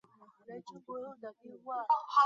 极光是地球周围的一种大规模放电的过程。